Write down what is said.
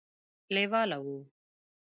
لېواله وو.